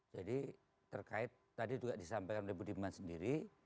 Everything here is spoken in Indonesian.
jadi terkait tadi juga disampaikan oleh budiman sendiri